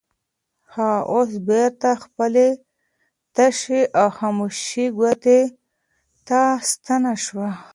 هغه اوس بېرته خپلې تشې او خاموشې کوټې ته ستنه شوه.